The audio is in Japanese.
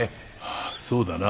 ああそうだな。